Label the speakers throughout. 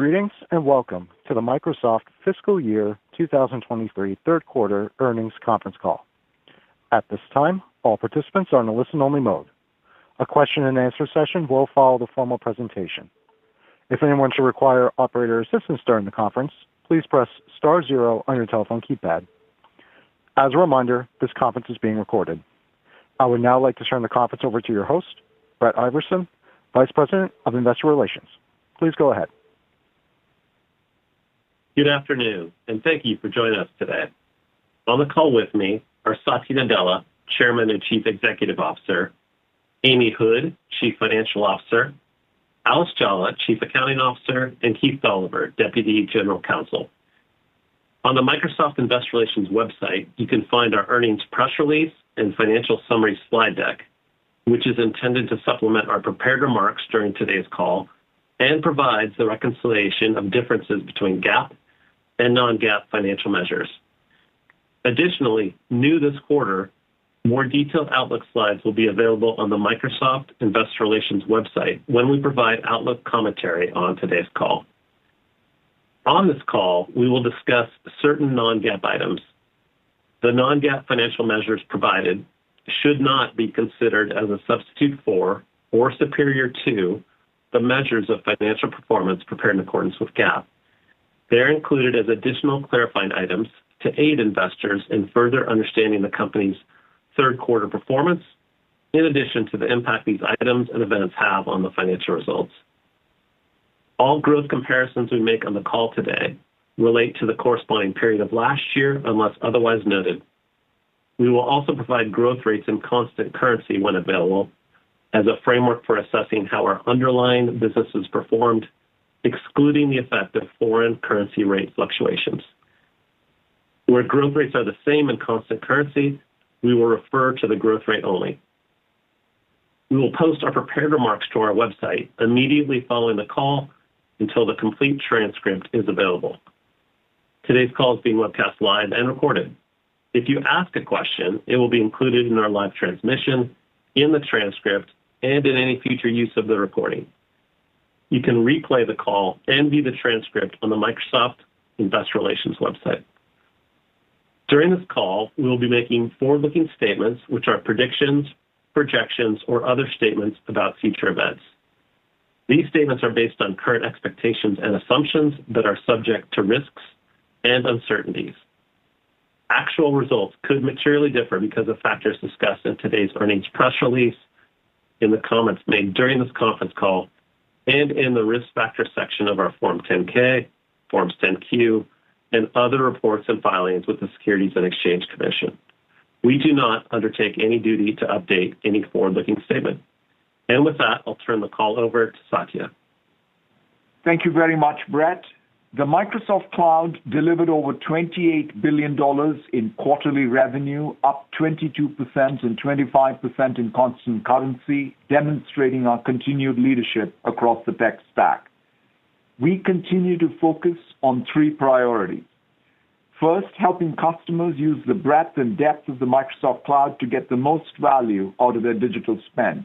Speaker 1: Greetings, welcome to the Microsoft Fiscal Year 2023 third quarter earnings conference call. At this time, all participants are in a listen-only mode. A question and answer session will follow the formal presentation. If anyone should require operator assistance during the conference, please press star zero on your telephone keypad. As a reminder, this conference is being recorded. I would now like to turn the conference over to your host, Brett Iversen, Vice President of Investor Relations. Please go ahead.
Speaker 2: Good afternoon. Thank you for joining us today. On the call with me are Satya Nadella, Chairman and Chief Executive Officer, Amy Hood, Chief Financial Officer, Alice Jolla, Chief Accounting Officer, and Keith Dolliver, Deputy General Counsel. On the Microsoft Investor Relations website, you can find our earnings press release and financial summary slide deck, which is intended to supplement our prepared remarks during today's call and provides the reconciliation of differences between GAAP and non-GAAP financial measures. Additionally, new this quarter, more detailed outlook slides will be available on the Microsoft Investor Relations website when we provide outlook commentary on today's call. On this call, we will discuss certain non-GAAP items. The non-GAAP financial measures provided should not be considered as a substitute for or superior to the measures of financial performance prepared in accordance with GAAP. They're included as additional clarifying items to aid investors in further understanding the company's third quarter performance, in addition to the impact these items and events have on the financial results. All growth comparisons we make on the call today relate to the corresponding period of last year, unless otherwise noted. We will also provide growth rates in constant currency when available as a framework for assessing how our underlying businesses performed, excluding the effect of foreign currency rate fluctuations. Where growth rates are the same in constant currency, we will refer to the growth rate only. We will post our prepared remarks to our website immediately following the call until the complete transcript is available. Today's call is being webcast live and recorded. If you ask a question, it will be included in our live transmission, in the transcript, and in any future use of the recording. You can replay the call and view the transcript on the Microsoft Investor Relations website. During this call, we will be making forward-looking statements which are predictions, projections, or other statements about future events. These statements are based on current expectations and assumptions that are subject to risks and uncertainties. Actual results could materially differ because of factors discussed in today's earnings press release, in the comments made during this conference call, and in the Risk Factors section of our Form 10-K, Forms 10-Q, and other reports and filings with the Securities and Exchange Commission. We do not undertake any duty to update any forward-looking statement. With that, I'll turn the call over to Satya.
Speaker 3: Thank you very much, Brett. The Microsoft Cloud delivered over $28 billion in quarterly revenue, up 22% and 25% in constant currency, demonstrating our continued leadership across the tech stack. We continue to focus on 3 priorities. First, helping customers use the breadth and depth of the Microsoft Cloud to get the most value out of their digital spend.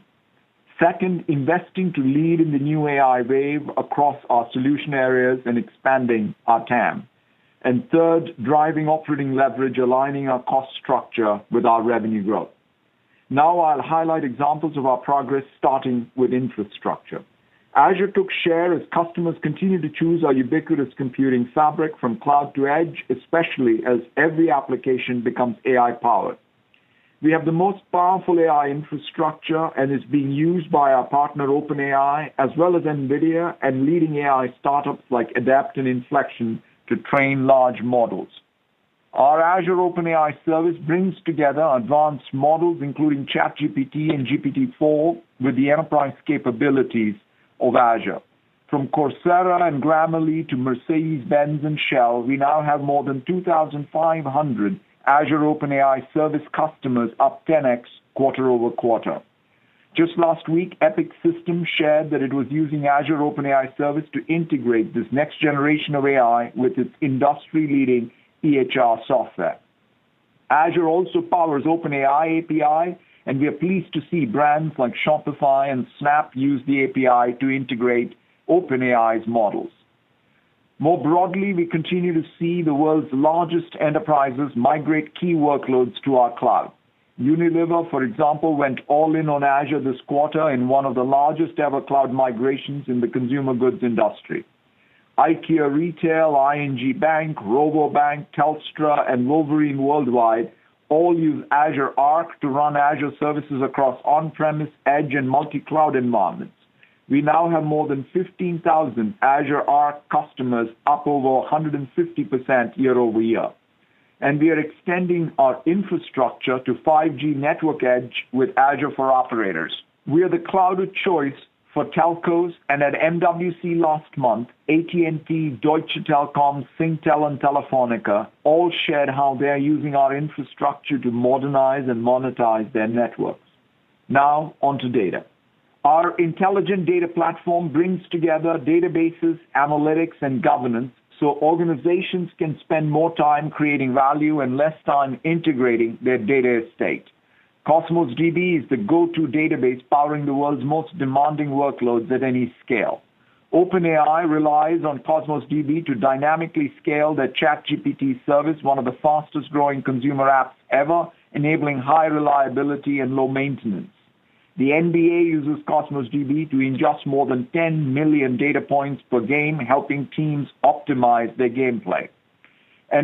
Speaker 3: Second, investing to lead in the new AI wave across our solution areas and expanding our TAM. Third, driving operating leverage, aligning our cost structure with our revenue growth. Now I'll highlight examples of our progress, starting with infrastructure. Azure took share as customers continued to choose our ubiquitous computing fabric from cloud to edge, especially as every application becomes AI-powered. We have the most powerful AI infrastructure, and it's being used by our partner, OpenAI, as well as NVIDIA and leading AI startups like Adept and Inflection to train large models. Our Azure OpenAI Service brings together advanced models, including ChatGPT and GPT-4, with the enterprise capabilities of Azure. From Coursera and Grammarly to Mercedes-Benz and Shell, we now have more than 2,500 Azure OpenAI Service customers, up 10x quarter-over-quarter. Just last week, Epic Systems shared that it was using Azure OpenAI Service to integrate this next generation of AI with its industry-leading EHR software. Azure also powers OpenAI API, and we are pleased to see brands like Shopify and Snap use the API to integrate OpenAI's models. More broadly, we continue to see the world's largest enterprises migrate key workloads to our cloud. Unilever, for example, went all in on Azure this quarter in one of the largest-ever cloud migrations in the consumer goods industry. IKEA Retail, ING Bank, Rabobank, Telstra, and Wolverine Worldwide all use Azure Arc to run Azure services across on-premise, edge, and multi-cloud environments. We now have more than 15,000 Azure Arc customers, up over 150% year-over-year. We are extending our infrastructure to 5G network edge with Azure for operators. We are the cloud of choice for telcos. At MWC last month, AT&T, Deutsche Telekom, Singtel, and Telefónica all shared how they are using our infrastructure to modernize and monetize their networks. On to data. Our intelligent data platform brings together databases, analytics, and governance so organizations can spend more time creating value and less time integrating their data estate. Cosmos DB is the go-to database powering the world's most demanding workloads at any scale. OpenAI relies on Cosmos DB to dynamically scale their ChatGPT service, one of the fastest-growing consumer apps ever, enabling high reliability and low maintenance. The NBA uses Cosmos DB to ingest more than 10 million data points per game, helping teams optimize their gameplay.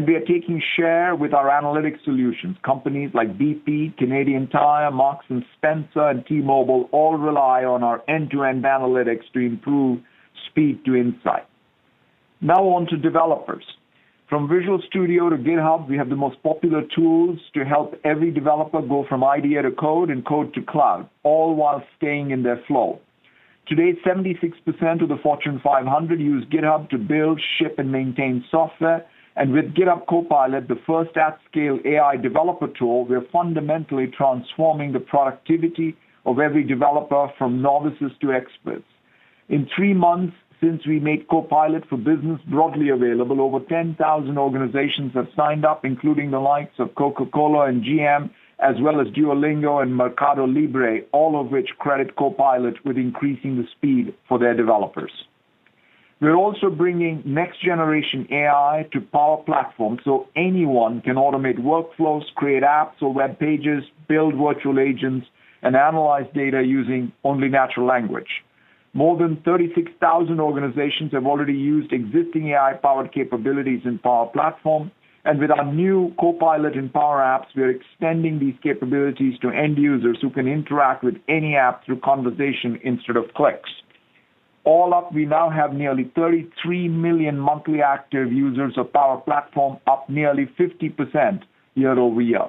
Speaker 3: We are taking share with our analytics solutions. Companies like BP, Canadian Tire, Marks & Spencer, and T-Mobile all rely on our end-to-end analytics to improve speed to insight. Now on to developers. From Visual Studio to GitHub, we have the most popular tools to help every developer go from idea to code and code to cloud, all while staying in their flow. Today, 76% of the Fortune 500 use GitHub to build, ship, and maintain software. With GitHub Copilot, the first at-scale AI developer tool, we are fundamentally transforming the productivity of every developer from novices to experts. In three months since we made Copilot for Business broadly available, over 10,000 organizations have signed up, including the likes of Coca-Cola and GM, as well as Duolingo and Mercado Libre, all of which credit Copilot with increasing the speed for their developers. We're also bringing next-generation AI to Power Platform so anyone can automate workflows, create apps or web pages, build virtual agents, and analyze data using only natural language. More than 36,000 organizations have already used existing AI-powered capabilities in Power Platform. With our new Copilot in Power Apps, we are extending these capabilities to end users who can interact with any app through conversation instead of clicks. All up, we now have nearly 33 million monthly active users of Power Platform, up nearly 50% year-over-year.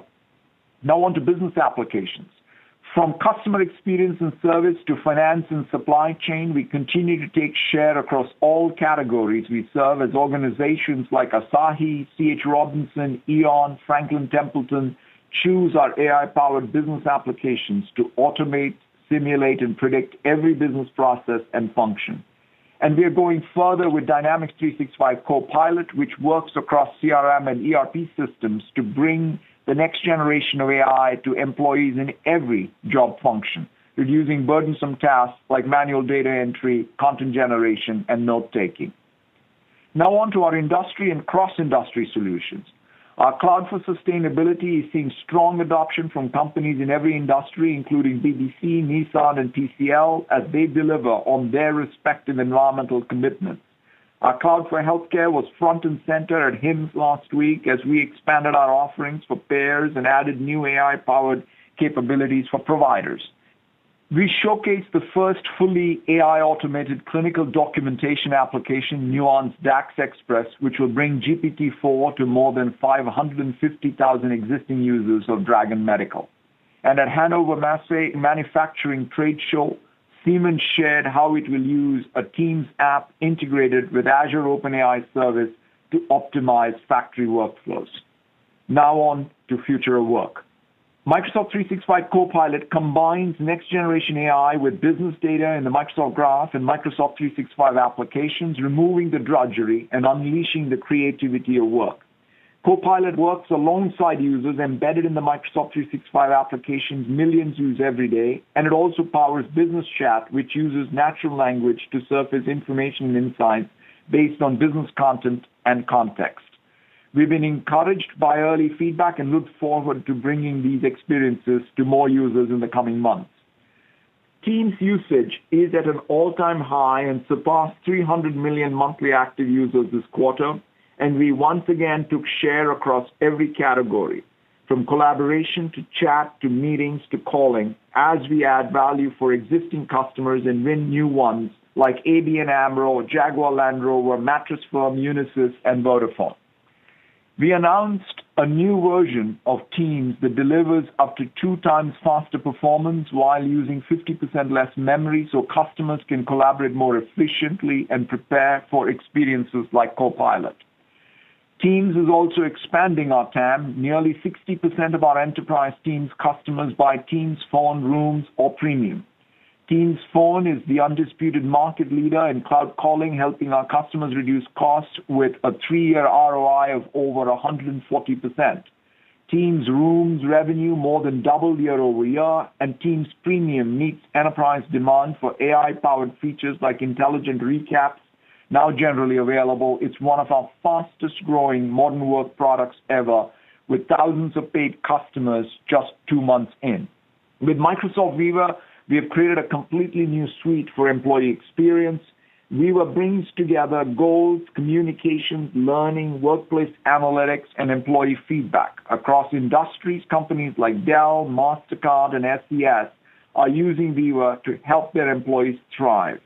Speaker 3: On to business applications. From customer experience and service to finance and supply chain, we continue to take share across all categories we serve as organizations like Asahi, C.H. Robinson, E.ON, Franklin Templeton choose our AI-powered business applications to automate, simulate, and predict every business process and function. We are going further with Dynamics 365 Copilot, which works across CRM and ERP systems to bring the next generation of AI to employees in every job function, reducing burdensome tasks like manual data entry, content generation, and note-taking. On to our industry and cross-industry solutions. Our Cloud for Sustainability is seeing strong adoption from companies in every industry, including BBC, Nissan, and PCL, as they deliver on their respective environmental commitments. Our Cloud for Healthcare was front and center at HIMSS last week as we expanded our offerings for payers and added new AI-powered capabilities for providers. We showcased the first fully AI-automated clinical documentation application, Nuance DAX Express, which will bring GPT-4 to more than 550,000 existing users of Dragon Medical. At Hannover Messe, Siemens shared how it will use a Teams app integrated with Azure OpenAI Service to optimize factory workflows. On to future of work. Microsoft 365 Copilot combines next-generation AI with business data in the Microsoft Graph and Microsoft 365 applications, removing the drudgery and unleashing the creativity of work. Copilot works alongside users embedded in the Microsoft 365 applications millions use every day, and it also powers Business Chat, which uses natural language to surface information and insights based on business content and context. We've been encouraged by early feedback and look forward to bringing these experiences to more users in the coming months. Teams usage is at an all-time high and surpassed 300 million monthly active users this quarter, and we once again took share across every category, from collaboration to chat to meetings to calling, as we add value for existing customers and win new ones like ABN AMRO, Jaguar Land Rover, Mattress Firm, Unisys, and Vodafone. We announced a new version of Teams that delivers up to 2 times faster performance while using 50% less memory so customers can collaborate more efficiently and prepare for experiences like Copilot. Teams is also expanding our TAM. Nearly 60% of our enterprise Teams customers buy Teams Phone, Teams Rooms or Teams Premium. Teams Phone is the undisputed market leader in cloud calling, helping our customers reduce costs with a three-year ROI of over 140%. Teams Rooms revenue more than doubled year-over-year. Teams Premium meets enterprise demand for AI-powered features like intelligent recaps, now generally available. It's one of our fastest-growing modern work products ever with thousands of paid customers just two months in. With Microsoft Viva, we have created a completely new suite for employee experience. Viva brings together goals, communications, learning, workplace analytics, and employee feedback across industries. Companies like Dell, Mastercard, and SES are using Viva to help their employees thrive.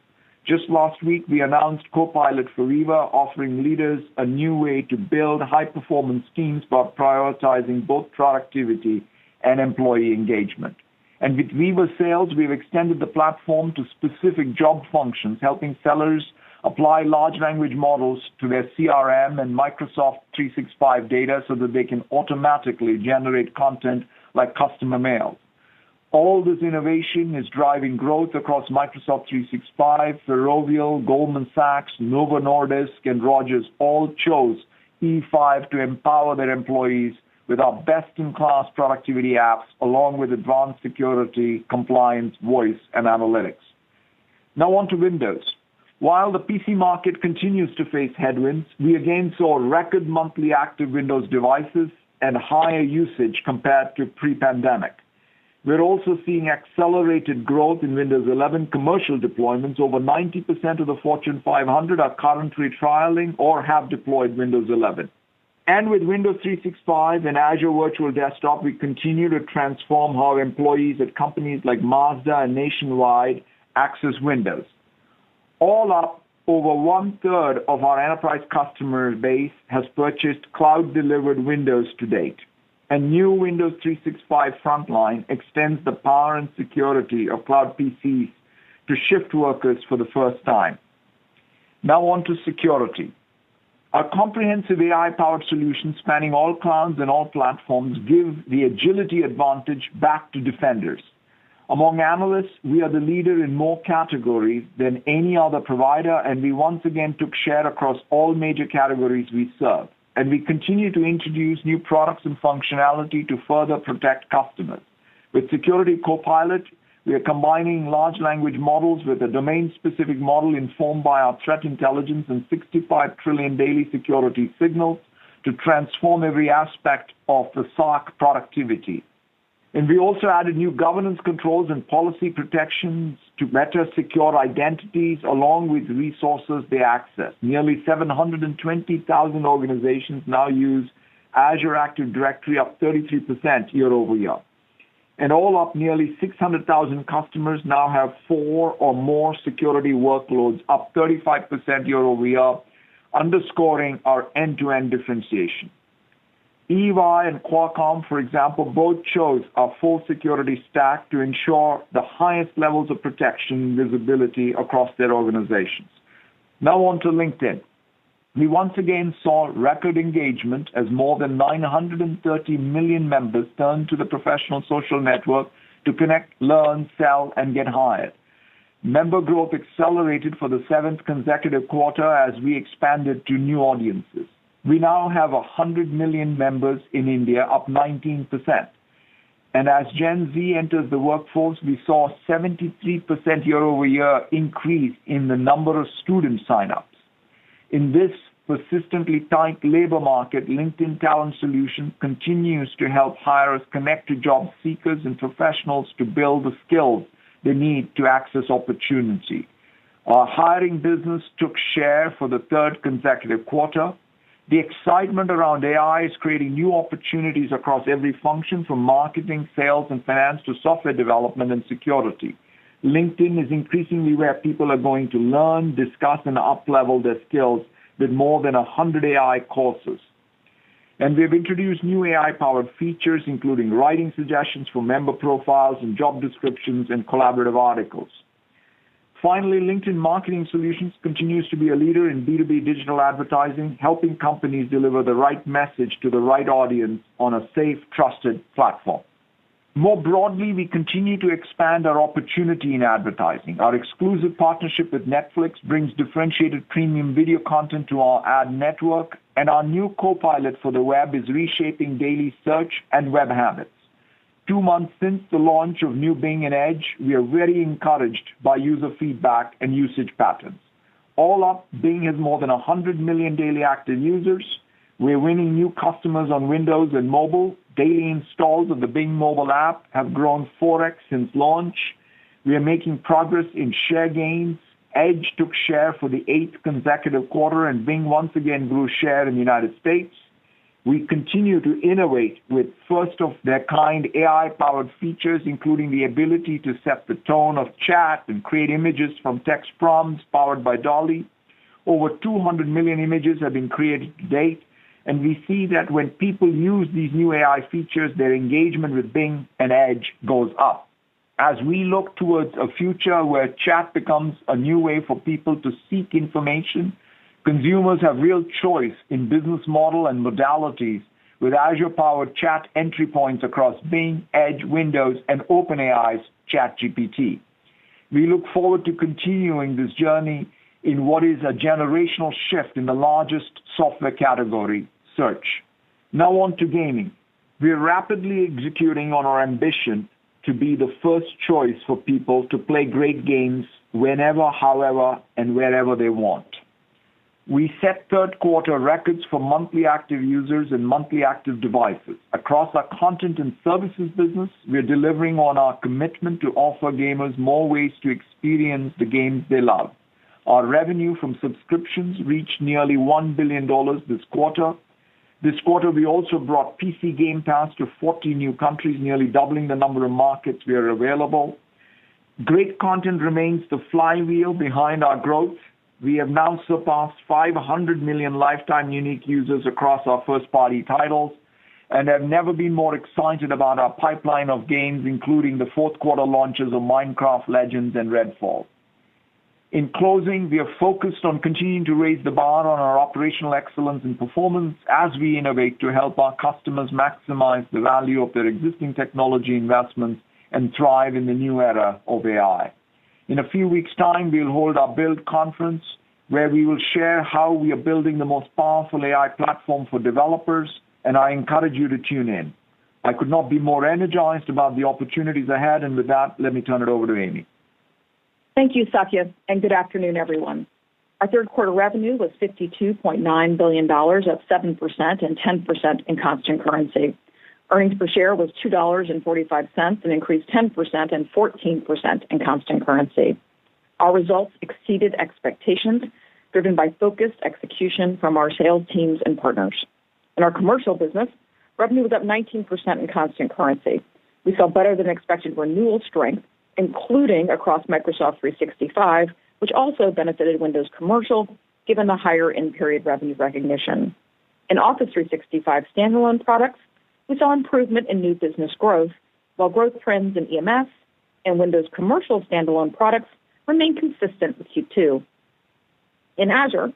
Speaker 3: Just last week, we announced Copilot for Viva, offering leaders a new way to build high-performance teams while prioritizing both productivity and employee engagement. With Viva Sales, we've extended the platform to specific job functions, helping sellers apply large language models to their CRM and Microsoft 365 data so that they can automatically generate content like customer mail. All this innovation is driving growth across Microsoft 365. Ferrovial, Goldman Sachs, Novo Nordisk, and Rogers all chose E5 to empower their employees with our best-in-class productivity apps along with advanced security, compliance, voice, and analytics. Now on to Windows. While the PC market continues to face headwinds, we again saw record monthly active Windows devices and higher usage compared to pre-pandemic. We're also seeing accelerated growth in Windows 11 commercial deployments. Over 90% of the Fortune 500 are currently trialing or have deployed Windows 11. With Windows 365 and Azure Virtual Desktop, we continue to transform how employees at companies like Mazda and Nationwide access Windows. All up, over one-third of our enterprise customer base has purchased cloud-delivered Windows to date. A new Windows 365 Frontline extends the power and security of cloud PCs to shift workers for the first time. On to security. Our comprehensive AI-powered solution spanning all clouds and all platforms give the agility advantage back to defenders. Among analysts, we are the leader in more categories than any other provider. We once again took share across all major categories we serve. We continue to introduce new products and functionality to further protect customers. With Security Copilot, we are combining large language models with a domain-specific model informed by our threat intelligence and 65 trillion daily security signals to transform every aspect of the SOC productivity. We also added new governance controls and policy protections to better secure identities along with resources they access. Nearly 720,000 organizations now use Azure Active Directory, up 33% year-over-year. All up, nearly 600,000 customers now have 4 or more security workloads, up 35% year-over-year, underscoring our end-to-end differentiation. EY and Qualcomm, for example, both chose our full security stack to ensure the highest levels of protection and visibility across their organizations. Now on to LinkedIn. We once again saw record engagement as more than 930 million members turned to the professional social network to connect, learn, sell, and get hired. Member growth accelerated for the 7th consecutive quarter as we expanded to new audiences. We now have 100 million members in India, up 19%. As Gen Z enters the workforce, we saw 73% year-over-year increase in the number of student sign-ups. In this persistently tight labor market, LinkedIn Talent Solutions continues to help hires connect to job seekers and professionals to build the skills they need to access opportunity. Our hiring business took share for the third consecutive quarter. The excitement around AI is creating new opportunities across every function from marketing, sales and fans to software development and security. LinkedIn is increasingly where people are going to learn, discuss and uplevel their skills with more than 100 AI courses. We've introduced new AI-powered features, including writing suggestions for member profiles and job descriptions and collaborative articles. LinkedIn Marketing Solutions continues to be a leader in B2B digital advertising, helping companies deliver the right message to the right audience on a safe, trusted platform. More broadly, we continue to expand our opportunity in advertising. Our exclusive partnership with Netflix brings differentiated premium video content to our ad network. Our new Copilot for the web is reshaping daily search and web habits. Two months since the launch of new Bing and Edge, we are very encouraged by user feedback and usage patterns. All up, Bing has more than 100 million daily active users. We're winning new customers on Windows and mobile. Daily installs of the Bing mobile app have grown 4x since launch. We are making progress in share gains. Edge took share for the 8th consecutive quarter and Bing once again grew share in the United States. We continue to innovate with first-of-their-kind AI-powered features, including the ability to set the tone of chat and create images from text prompts powered by DALL-E. Over 200 million images have been created to date. We see that when people use these new AI features, their engagement with Bing and Edge goes up. As we look towards a future where chat becomes a new way for people to seek information, consumers have real choice in business model and modalities with Azure-powered chat entry points across Bing, Edge, Windows, and OpenAI's ChatGPT. We look forward to continuing this journey in what is a generational shift in the largest software category, search. Now on to gaming. We are rapidly executing on our ambition to be the first choice for people to play great games whenever, however, and wherever they want. We set third quarter records for monthly active users and monthly active devices. Across our content and services business, we are delivering on our commitment to offer gamers more ways to experience the games they love. Our revenue from subscriptions reached nearly $1 billion this quarter. This quarter, we also brought PC Game Pass to 40 new countries, nearly doubling the number of markets we are available. Great content remains the flywheel behind our growth. We have now surpassed 500 million lifetime unique users across our first-party titles and have never been more excited about our pipeline of games, including the fourth quarter launches of Minecraft Legends and Redfall. In closing, we are focused on continuing to raise the bar on our operational excellence and performance as we innovate to help our customers maximize the value of their existing technology investments and thrive in the new era of AI. In a few weeks' time, we'll hold our Build conference, where we will share how we are building the most powerful AI platform for developers, and I encourage you to tune in. I could not be more energized about the opportunities ahead. With that, let me turn it over to Amy.
Speaker 4: Thank you, Satya. Good afternoon, everyone. Our third quarter revenue was $52.9 billion, up 7% and 10% in constant currency. Earnings per share was $2.45, an increase 10% and 14% in constant currency. Our results exceeded expectations, driven by focused execution from our sales teams and partners. In our commercial business, revenue was up 19% in constant currency. We saw better than expected renewal strength, including across Microsoft 365, which also benefited Windows commercial given the higher end-period revenue recognition. In Office 365 stand-alone products, we saw improvement in new business growth, while growth trends in EMS and Windows commercial stand-alone products remain consistent with Q2. In Azure,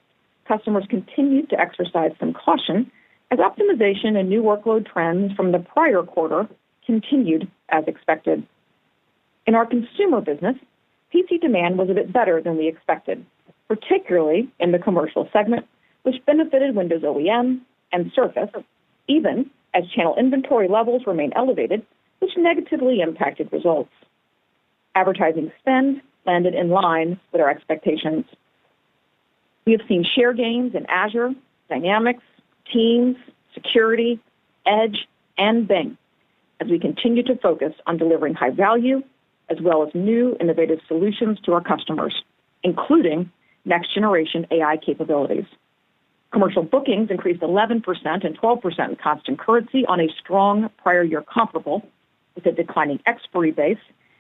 Speaker 4: customers continued to exercise some caution as optimization and new workload trends from the prior quarter continued as expected. In our consumer business, PC demand was a bit better than we expected, particularly in the commercial segment, which benefited Windows OEM and Surface, even as channel inventory levels remain elevated, which negatively impacted results. Advertising spend landed in line with our expectations. We have seen share gains in Azure, Dynamics, Teams, Security, Edge, and Bing as we continue to focus on delivering high value as well as new innovative solutions to our customers, including next-generation AI capabilities. Commercial bookings increased 11% and 12% in constant currency on a strong prior year comparable with a declining expiry base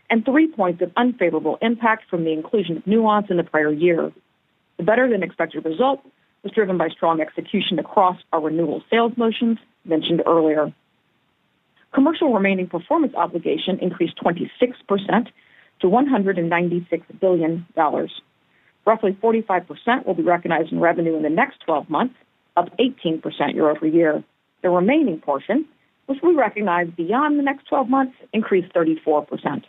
Speaker 4: and 3 points of unfavorable impact from the inclusion of Nuance in the prior year. The better-than-expected result was driven by strong execution across our renewal sales motions mentioned earlier. Commercial remaining performance obligation increased 26% to $196 billion. Roughly 45% will be recognized in revenue in the next 12 months, up 18% year-over-year. The remaining portion, which we recognize beyond the next 12 months, increased 34%.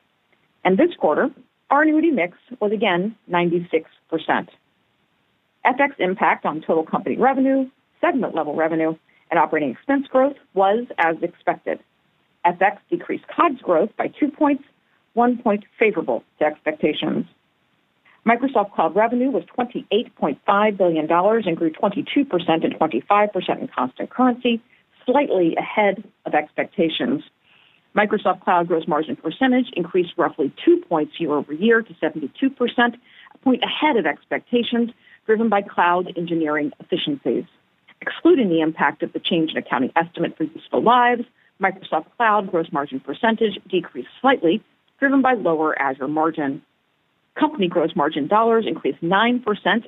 Speaker 4: This quarter, our annuity mix was again 96%. FX impact on total company revenue, segment-level revenue, and operating expense growth was as expected. FX decreased COGS growth by 2 points, 1 point favorable to expectations. Microsoft Cloud revenue was $28.5 billion and grew 22% and 25% in constant currency, slightly ahead of expectations. Microsoft Cloud gross margin percentage increased roughly 2 points year-over-year to 72%, 1 point ahead of expectations driven by cloud engineering efficiencies. Excluding the impact of the change in accounting estimate for Useful Lives, Microsoft Cloud gross margin percentage decreased slightly, driven by lower Azure margin. Company gross margin dollars increased 9%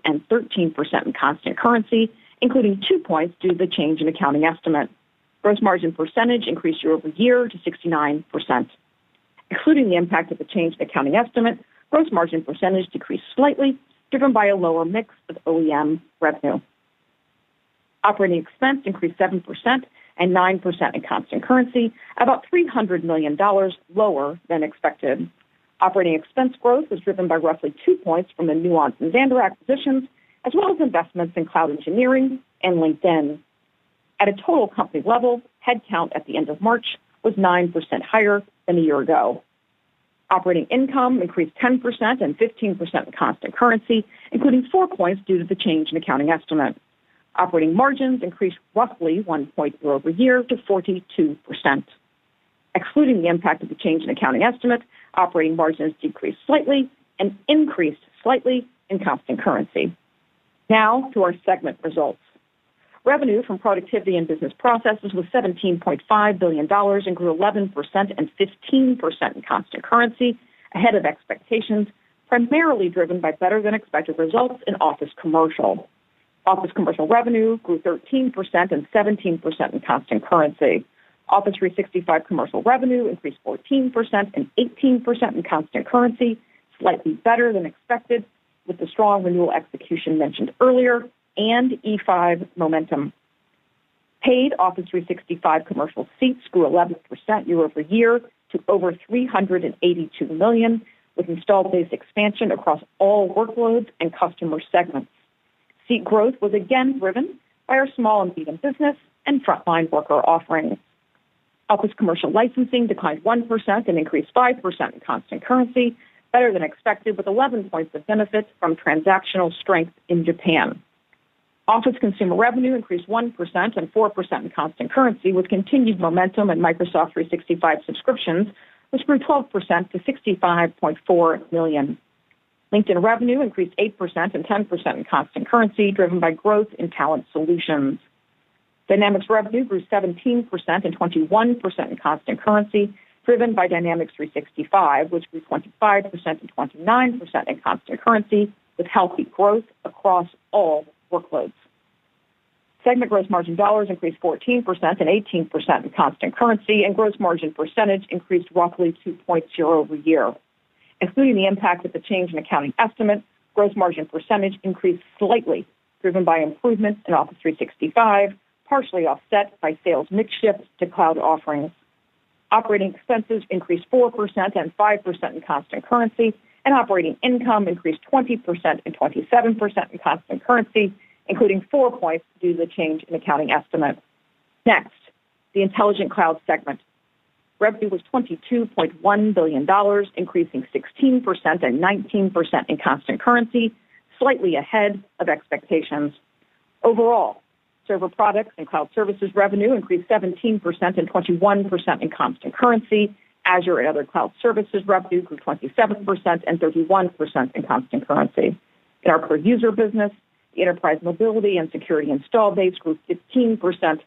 Speaker 4: and 13% in constant currency, including 2 points due to the change in accounting estimate. Gross margin percentage increased year-over-year to 69%. Including the impact of the change in accounting estimate, gross margin percentage decreased slightly, driven by a lower mix of OEM revenue. OpEx increased 7% and 9% in constant currency, about $300 million lower than expected. OpEx growth was driven by roughly 2 points from the Nuance and Xandr acquisitions, as well as investments in cloud engineering and LinkedIn. At a total company level, headcount at the end of March was 9% higher than a year ago. Operating income increased 10% and 15% in constant currency, including 4 points due to the change in accounting estimate. Operating margins increased roughly 1 point year-over-year to 42%. Excluding the impact of the change in accounting estimate, operating margins decreased slightly and increased slightly in constant currency. To our segment results. Revenue from productivity and business processes was $17.5 billion and grew 11% and 15% in constant currency ahead of expectations, primarily driven by better than expected results in Office Commercial. Office Commercial revenue grew 13% and 17% in constant currency. Office 365 Commercial revenue increased 14% and 18% in constant currency, slightly better than expected with the strong renewal execution mentioned earlier and E5 momentum. Paid Office 365 Commercial seats grew 11% year-over-year to over 382 million, with installed base expansion across all workloads and customer segments. Seat growth was again driven by our small and medium business and frontline worker offerings. Office Commercial licensing declined 1% and increased 5% in constant currency, better than expected, with 11 points of benefits from transactional strength in Japan. Office consumer revenue increased 1% and 4% in constant currency, with continued momentum in Microsoft 365 subscriptions, which grew 12% to 65.4 million. LinkedIn revenue increased 8% and 10% in constant currency, driven by growth in Talent Solutions. Dynamics revenue grew 17% and 21% in constant currency, driven by Dynamics 365, which grew 25% and 29% in constant currency with healthy growth across all workloads. Segment gross margin dollars increased 14% and 18% in constant currency, and gross margin percentage increased roughly 2 points year-over-year. Including the impact of the change in accounting estimates, gross margin percentage increased slightly, driven by improvements in Office 365, partially offset by sales mix shift to cloud offerings. Operating expenses increased 4% and 5% in constant currency, and operating income increased 20% and 27% in constant currency, including 4 points due to the change in accounting estimate. Next, the Intelligent Cloud segment. Revenue was $22.1 billion, increasing 16% and 19% in constant currency, slightly ahead of expectations. Overall, server products and cloud services revenue increased 17% and 21% in constant currency. Azure and other cloud services revenue grew 27% and 31% in constant currency. In our per user business, Enterprise Mobility + Security install base grew 15%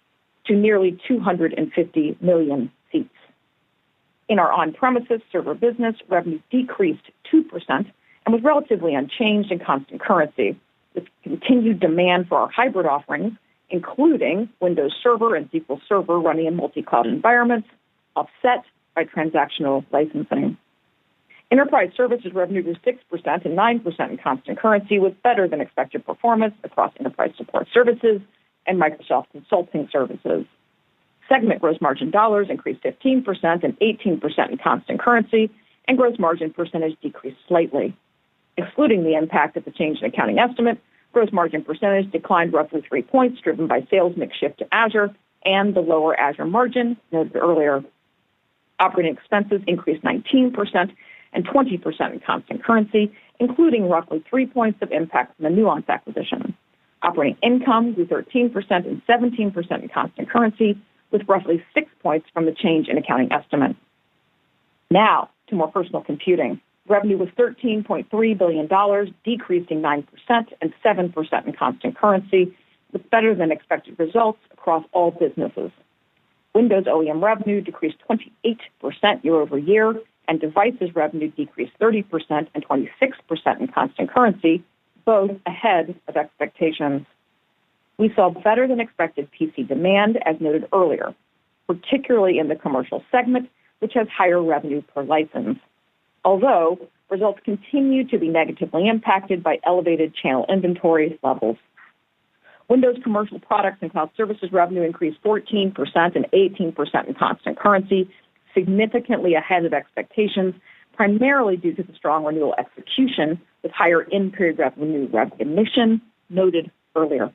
Speaker 4: to nearly 250 million seats. In our on-premises server business, revenue decreased 2% and was relatively unchanged in constant currency, with continued demand for our hybrid offerings, including Windows Server and SQL Server running in multi-cloud environments offset by transactional licensing. Enterprise services revenue grew 6% and 9% in constant currency, with better than expected performance across enterprise support services and Microsoft consulting services. Segment gross margin dollars increased 15% and 18% in constant currency, and gross margin percentage decreased slightly. Excluding the impact of the change in accounting estimate, gross margin percentage declined roughly 3 points driven by sales mix shift to Azure and the lower Azure margin noted earlier. Operating expenses increased 19% and 20% in constant currency, including roughly 3 points of impact from the Nuance acquisition. Operating income grew 13% and 17% in constant currency, with roughly 6 points from the change in accounting estimate. To more personal computing. Revenue was $13.3 billion, decreasing 9% and 7% in constant currency, with better than expected results across all businesses. Windows OEM revenue decreased 28% year-over-year, and devices revenue decreased 30% and 26% in constant currency, both ahead of expectations. We saw better than expected PC demand as noted earlier, particularly in the commercial segment, which has higher revenue per license. Results continue to be negatively impacted by elevated channel inventory levels. Windows Commercial products and cloud services revenue increased 14% and 18% in constant currency, significantly ahead of expectations, primarily due to the strong renewal execution with higher in-period revenue recognition noted earlier.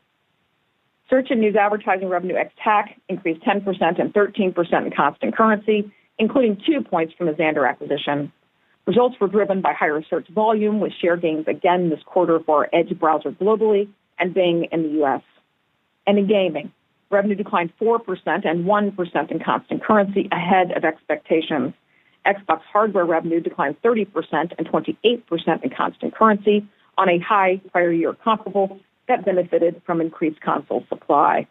Speaker 4: Search and news advertising revenue ex tax increased 10% and 13% in constant currency, including 2 points from the Xandr acquisition. Results were driven by higher search volume, with share gains again this quarter for Edge browser globally and Bing in the U.S. In gaming, revenue declined 4% and 1% in constant currency ahead of expectations. Xbox hardware revenue declined 30% and 28% in constant currency on a high prior year comparable that benefited from increased console supply.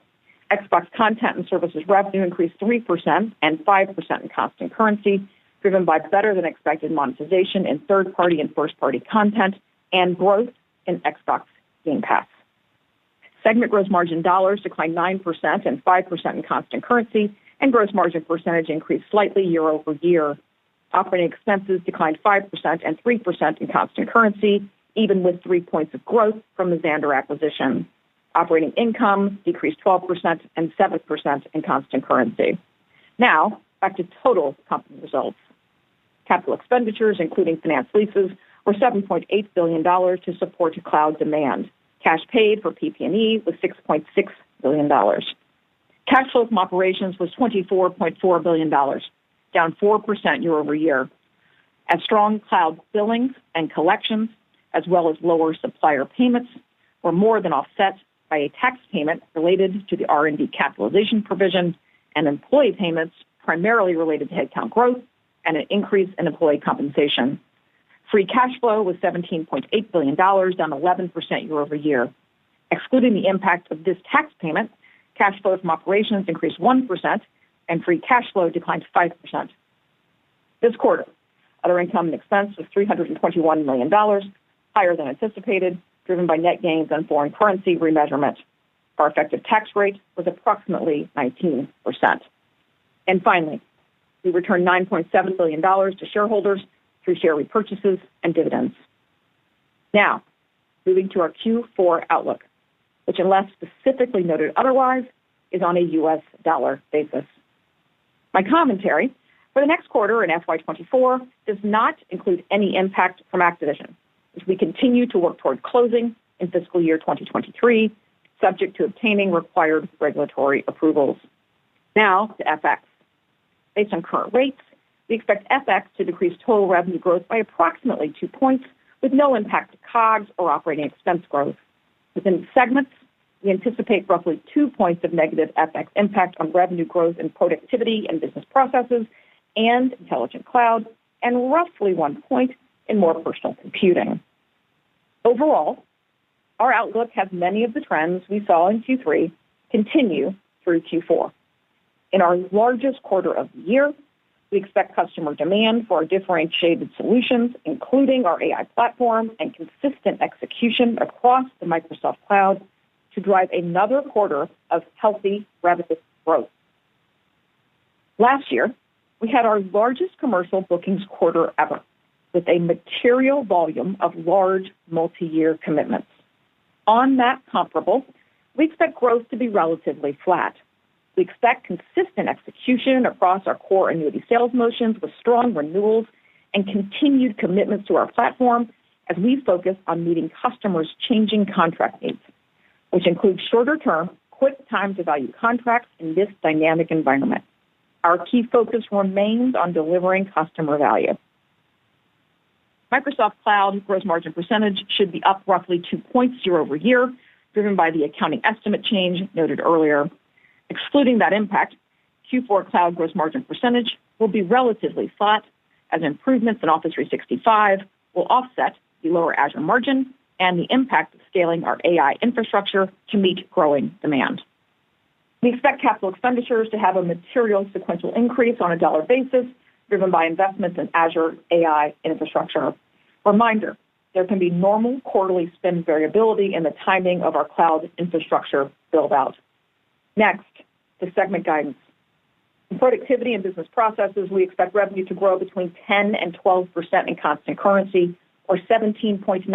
Speaker 4: Xbox content and services revenue increased 3% and 5% in constant currency, driven by better than expected monetization in third-party and first-party content and growth in Xbox Game Pass. Segment gross margin dollars declined 9% and 5% in constant currency, and gross margin percentage increased slightly year-over-year. Operating expenses declined 5% and 3% in constant currency, even with 3 points of growth from the Xandr acquisition. Operating income decreased 12% and 7% in constant currency. Back to total company results. CapEx, including finance leases, were $7.8 billion to support cloud demand. Cash paid for PP&E was $6.6 billion. Cash flow from operations was $24.4 billion, down 4% year-over-year. Strong cloud billings and collections, as well as lower supplier payments, were more than offset by a tax payment related to the R&D capitalization provision and employee payments primarily related to headcount growth and an increase in employee compensation. Free cash flow was $17.8 billion, down 11% year-over-year. Excluding the impact of this tax payment, cash flow from operations increased 1% and free cash flow declined 5%. This quarter, other income and expense was $321 million, higher than anticipated, driven by net gains on foreign currency remeasurement. Our effective tax rate was approximately 19%. Finally, we returned $9.7 billion to shareholders through share repurchases and dividends. Moving to our Q4 outlook, which unless specifically noted otherwise, is on a U.S. dollar basis. My commentary for the next quarter in FY24 does not include any impact from acquisition as we continue to work toward closing in fiscal year 2023, subject to obtaining required regulatory approvals. To FX. Based on current rates, we expect FX to decrease total revenue growth by approximately two points, with no impact to COGS or operating expense growth. Within segments, we anticipate roughly 2 points of negative FX impact on revenue growth and productivity in business processes and intelligent cloud and roughly 1 point in more personal computing. Overall, our outlook has many of the trends we saw in Q3 continue through Q4. In our largest quarter of the year, we expect customer demand for our differentiated solutions, including our AI platform and consistent execution across the Microsoft Cloud to drive another quarter of healthy revenue growth. Last year, we had our largest commercial bookings quarter ever with a material volume of large multi-year commitments. On that comparable, we expect growth to be relatively flat. We expect consistent execution across our core annuity sales motions with strong renewals and continued commitments to our platform as we focus on meeting customers' changing contract needs, which includes shorter-term, quick time to value contracts in this dynamic environment. Our key focus remains on delivering customer value. Microsoft Cloud gross margin % should be up roughly 2 points year-over-year, driven by the accounting estimate change noted earlier. Excluding that impact, Q4 cloud gross margin % will be relatively flat as improvements in Office 365 will offset the lower Azure margin and the impact of scaling our AI infrastructure to meet growing demand. We expect CapEx to have a material sequential increase on a dollar basis driven by investments in Azure AI infrastructure. Reminder, there can be normal quarterly spend variability in the timing of our cloud infrastructure build-out. Next, to segment guidance. In productivity and business processes, we expect revenue to grow between 10% and 12% in constant currency or $17.9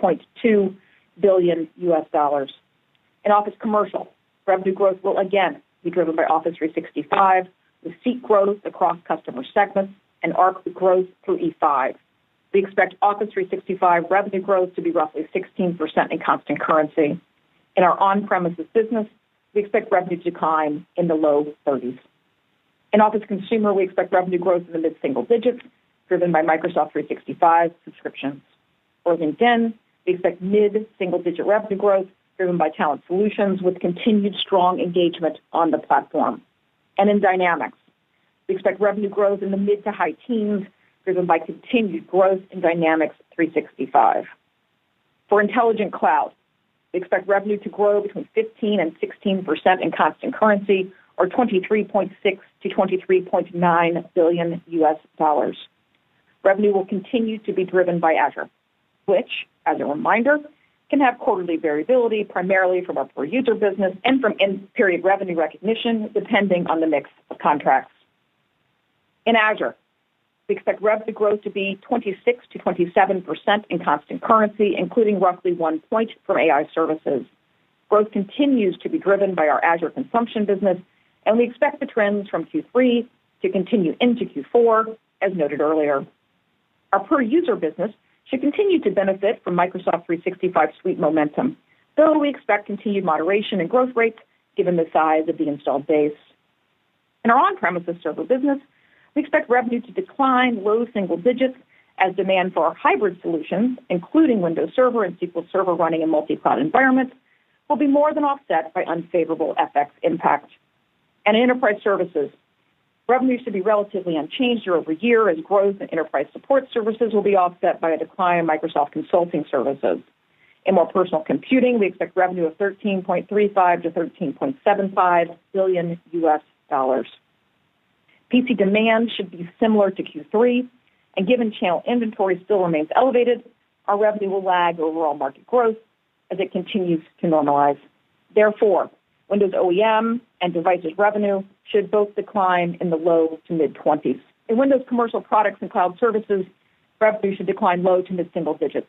Speaker 4: billion-$18.2 billion. In Office Commercial, revenue growth will again be driven by Office 365, with seat growth across customer segments and Arc growth through E5. We expect Office 365 revenue growth to be roughly 16% in constant currency. In our on-premises business, we expect revenue decline in the low 30s. In Office Consumer, we expect revenue growth in the mid-single digits driven by Microsoft 365 subscriptions. For LinkedIn, we expect mid-single-digit revenue growth driven by Talent Solutions with continued strong engagement on the platform. In Dynamics, we expect revenue growth in the mid to high teens driven by continued growth in Dynamics 365. For Intelligent Cloud, we expect revenue to grow between 15% and 16% in constant currency or $23.6 billion-$23.9 billion. Revenue will continue to be driven by Azure, which, as a reminder, can have quarterly variability primarily from our per-user business and from end-period revenue recognition, depending on the mix of contracts. In Azure, we expect revenue growth to be 26%-27% in constant currency, including roughly 1 point from AI services. Growth continues to be driven by our Azure consumption business. We expect the trends from Q3 to continue into Q4, as noted earlier. Our per-user business should continue to benefit from Microsoft 365 suite momentum, though we expect continued moderation in growth rates given the size of the installed base. In our on-premises server business, we expect revenue to decline low single digits as demand for our hybrid solutions, including Windows Server and SQL Server running in multi-cloud environments, will be more than offset by unfavorable FX impact. In enterprise services, revenue should be relatively unchanged year-over-year as growth in enterprise support services will be offset by a decline in Microsoft consulting services. In more personal computing, we expect revenue of $13.35 billion-$13.75 billion. PC demand should be similar to Q3, and given channel inventory still remains elevated, our revenue will lag overall market growth as it continues to normalize. Therefore, Windows OEM and devices revenue should both decline in the low to mid-20s. In Windows commercial products and cloud services, revenue should decline low to mid-single digits.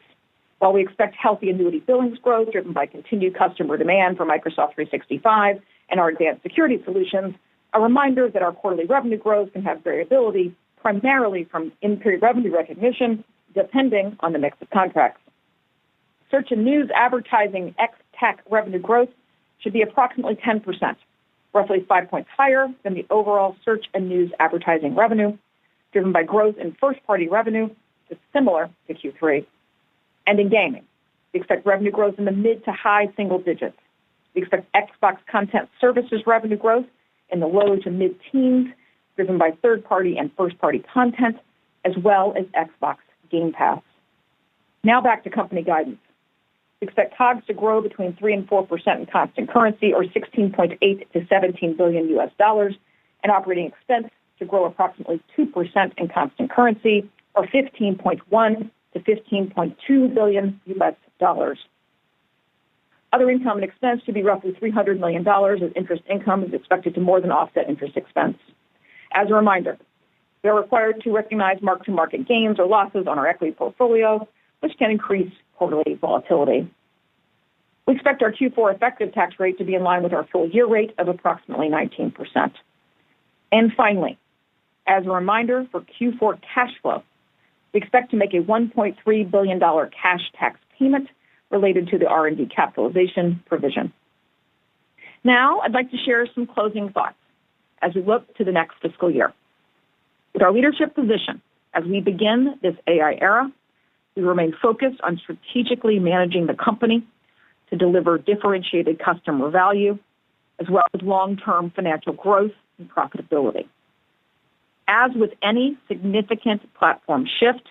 Speaker 4: While we expect healthy annuity billings growth driven by continued customer demand for Microsoft 365 and our advanced security solutions, a reminder that our quarterly revenue growth can have variability primarily from in-period revenue recognition, depending on the mix of contracts. Search and news advertising ex tech revenue growth should be approximately 10%, roughly five points higher than the overall search and news advertising revenue driven by growth in first-party revenue, which is similar to Q3. In gaming, we expect revenue growth in the mid to high single digits. We expect Xbox content services revenue growth in the low to mid-teens, driven by third-party and first-party content, as well as Xbox Game Pass. Now back to company guidance. We expect COGS to grow between 3% and 4% in constant currency or $16.8 billion-$17 billion and operating expense to grow approximately 2% in constant currency or $15.1 billion-$15.2 billion. Other income and expense should be roughly $300 million as interest income is expected to more than offset interest expense. As a reminder, we are required to recognize mark-to-market gains or losses on our equity portfolio, which can increase quarterly volatility. We expect our Q4 effective tax rate to be in line with our full-year rate of approximately 19%. Finally, as a reminder, for Q4 cash flow, we expect to make a $1.3 billion cash tax payment related to the R&D capitalization provision. I'd like to share some closing thoughts as we look to the next fiscal year. With our leadership position as we begin this AI era, we remain focused on strategically managing the company to deliver differentiated customer value as well as long-term financial growth and profitability. As with any significant platform shift,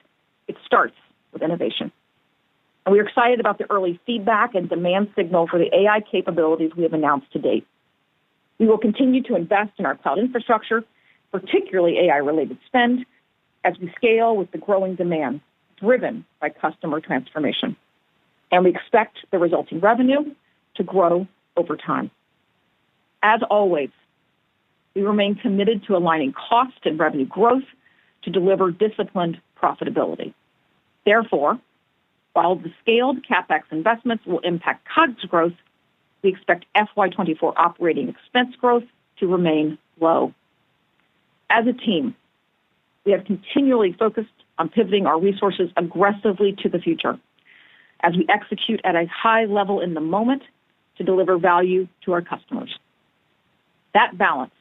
Speaker 4: it starts with innovation. We're excited about the early feedback and demand signal for the AI capabilities we have announced to date. We will continue to invest in our cloud infrastructure, particularly AI-related spend, as we scale with the growing demand driven by customer transformation, and we expect the resulting revenue to grow over time. As always, we remain committed to aligning cost and revenue growth to deliver disciplined profitability. Therefore, while the scaled CapEx investments will impact COGS growth, we expect FY 2024 operating expense growth to remain low. As a team, we have continually focused on pivoting our resources aggressively to the future as we execute at a high level in the moment to deliver value to our customers. That balance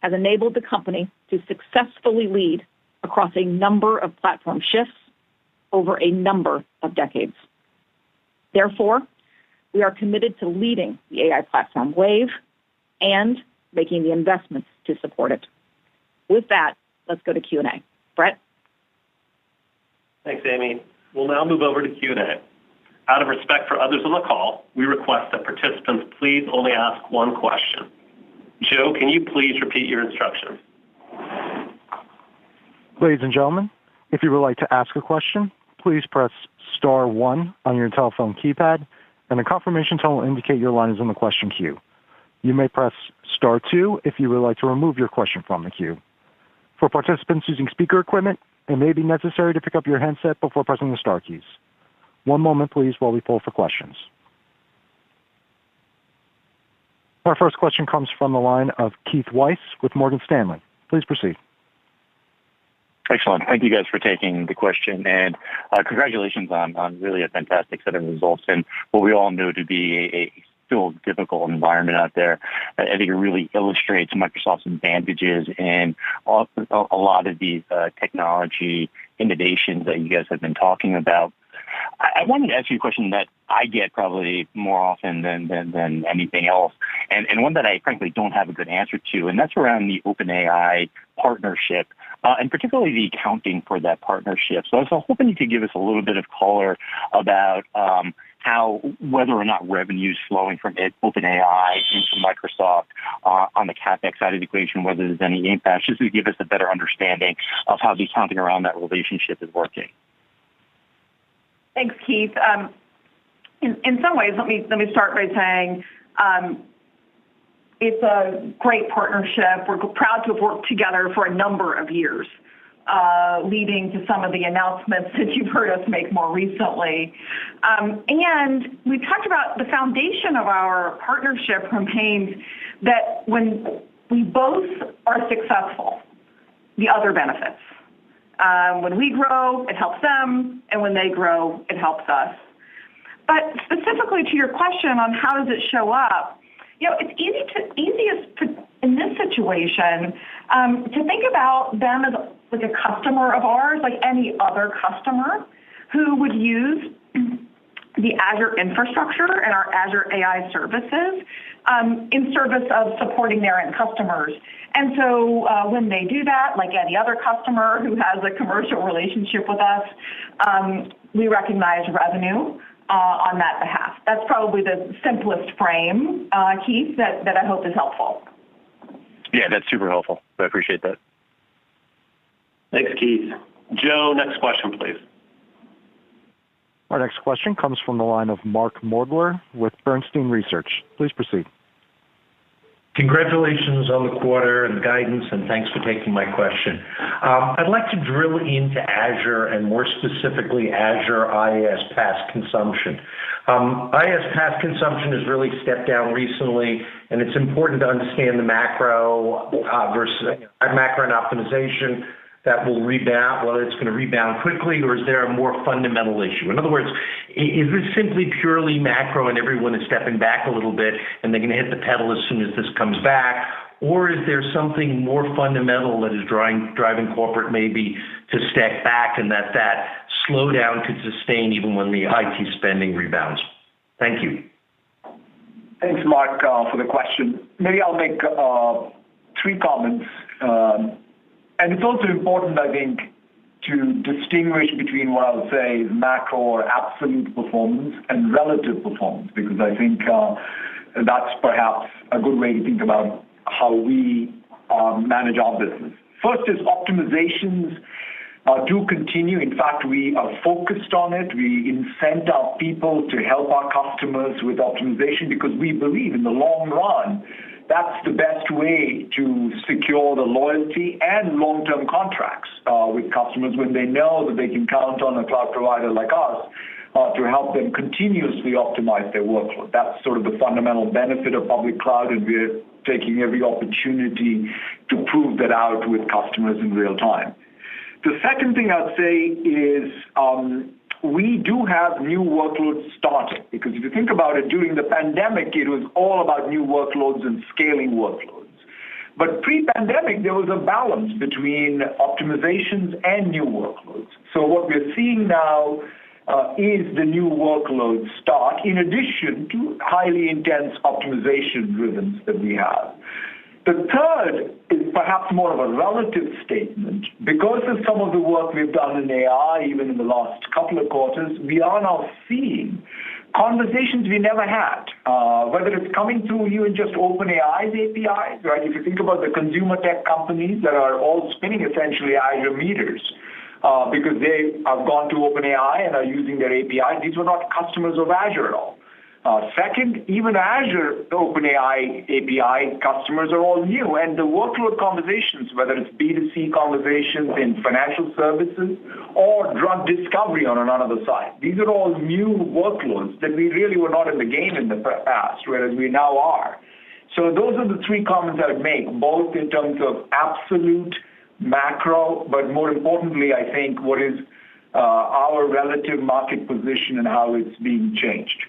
Speaker 4: has enabled the company to successfully lead across a number of platform shifts over a number of decades. Therefore, we are committed to leading the AI platform wave and making the investments to support it. With that, let's go to Q&A. Brett?
Speaker 2: Thanks, Amy. We'll now move over to Q&A. Out of respect for others on the call, we request that participants please only ask one question. Joe, can you please repeat your instructions?
Speaker 1: Ladies and gentlemen, if you would like to ask a question, please press star one on your telephone keypad and a confirmation tone will indicate your line is in the question queue. You may press star two if you would like to remove your question from the queue. For participants using speaker equipment, it may be necessary to pick up your handset before pressing the star keys. One moment please while we poll for questions. Our first question comes from the line of Keith Weiss with Morgan Stanley. Please proceed.
Speaker 5: Excellent. Thank you guys for taking the question and congratulations on really a fantastic set of results in what we all know to be a still difficult environment out there. I think it really illustrates Microsoft's advantages and a lot of these technology innovations that you guys have been talking about. I wanted to ask you a question that I get probably more often than anything else, and one that I frankly don't have a good answer to, and that's around the OpenAI partnership, and particularly the accounting for that partnership. I was hoping you could give us a little bit of color about how whether or not revenue's flowing from OpenAI into Microsoft on the CapEx side of the equation, whether there's any impact. Just to give us a better understanding of how the accounting around that relationship is working.
Speaker 4: Thanks, Keith. In some ways, let me start by saying, it's a great partnership. We're proud to have worked together for a number of years, leading to some of the announcements that you've heard us make more recently. We talked about the foundation of our partnership contains that when we both are successful, the other benefits. When we grow, it helps them, and when they grow, it helps us. Specifically to your question on how does it show up, you know, it's easiest to, in this situation, to think about them as like a customer of ours, like any other customer who would use the Azure infrastructure and our Azure AI services, in service of supporting their end customers. When they do that, like any other customer who has a commercial relationship with us, we recognize revenue on that behalf. That's probably the simplest frame, Keith, that I hope is helpful.
Speaker 5: Yeah, that's super helpful. I appreciate that.
Speaker 2: Thanks, Keith. Joe, next question, please.
Speaker 1: Our next question comes from the line of Mark Moerdler with Bernstein Research. Please proceed.
Speaker 6: Congratulations on the quarter and guidance. Thanks for taking my question. I'd like to drill into Azure and more specifically Azure IaaS PaaS consumption. IaaS PaaS consumption has really stepped down recently. It's important to understand the macro versus macro and optimization that will rebound, whether it's gonna rebound quickly or is there a more fundamental issue? In other words, is this simply purely macro and everyone is stepping back a little bit, and they're gonna hit the pedal as soon as this comes back? Is there something more fundamental that is driving corporate maybe to step back and that slowdown could sustain even when the IT spending rebounds? Thank you.
Speaker 3: Thanks, Mark, for the question. Maybe I'll make three comments. It's also important, I think, to distinguish between what I'll say is macro or absolute performance and relative performance, because I think that's perhaps a good way to think about how we manage our business. First is optimizations do continue. In fact, we are focused on it. We incent our people to help our customers with optimization because we believe in the long run, that's the best way to secure the loyalty and long-term contracts with customers when they know that they can count on a cloud provider like us to help them continuously optimize their workload. That's sort of the fundamental benefit of public cloud, and we're taking every opportunity to prove that out with customers in real time. The second thing I'd say is, we do have new workloads starting, because if you think about it, during the pandemic, it was all about new workloads and scaling workloads. Pre-pandemic, there was a balance between optimizations and new workloads. What we're seeing now, is the new workload start in addition to highly intense optimization rhythms that we have. The third is perhaps more of a relative statement. Because of some of the work we've done in AI, even in the last couple of quarters, we are now seeing conversations we never had, whether it's coming through even just OpenAI's APIs, right? If you think about the consumer tech companies that are all spinning essentially Azure meters, because they have gone to OpenAI and are using their API. These were not customers of Azure at all. Second, even Azure OpenAI API customers are all new. The workload conversations, whether it's B2C conversations in financial services or drug discovery on another side, these are all new workloads that we really were not in the game in the past, whereas we now are. Those are the three comments I'd make, both in terms of absolute macro, but more importantly, I think, what is our relative market position and how it's being changed.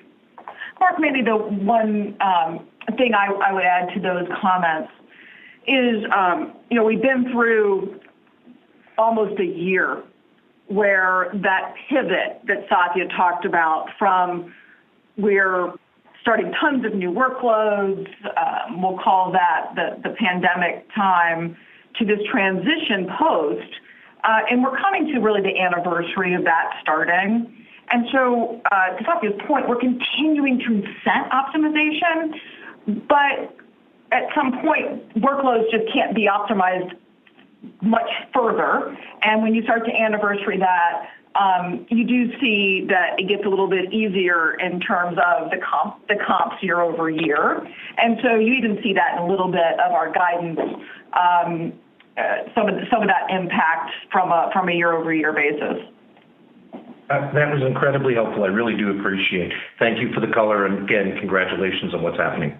Speaker 4: Mark, maybe the one thing I would add to those comments is, you know, we've been through almost a year where that pivot that Satya talked about from we're starting tons of new workloads, we'll call that the pandemic time, to this transition post, and we're coming to really the anniversary of that starting. To Satya's point, we're continuing to incent optimization, but at some point, workloads just can't be optimized much further. When you start to anniversary that, you do see that it gets a little bit easier in terms of the comps year-over-year. You even see that in a little bit of our guidance, some of that impact from a year-over-year basis.
Speaker 6: That was incredibly helpful. I really do appreciate. Thank you for the color, and again, congratulations on what's happening.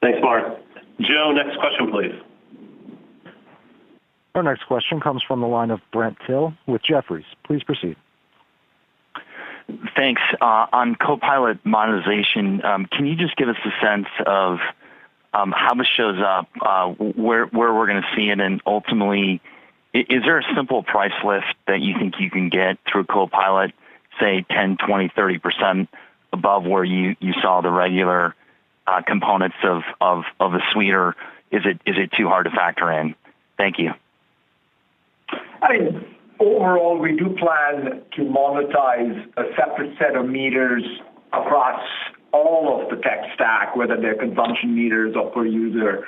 Speaker 2: Thanks, Mark. Joe, next question, please.
Speaker 1: Our next question comes from the line of Brent Thill with Jefferies. Please proceed.
Speaker 7: Thanks. On Copilot monetization, can you just give us a sense of how much shows up, where we're gonna see it? Ultimately, is there a simple price list that you think you can get through Copilot, say 10%, 20%, 30% above where you saw the regular components of a suite or is it too hard to factor in? Thank you.
Speaker 3: I mean, overall, we do plan to monetize a separate set of meters across all of the tech stack, whether they're consumption meters or per user,